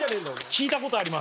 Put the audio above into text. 聞いたことあります。